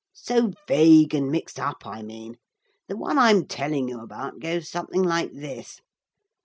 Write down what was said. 'So vague and mixed up, I mean. The one I'm telling you about goes something like this.